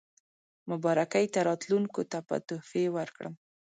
مبارکۍ ته راتلونکو ته به تحفې ورکړم.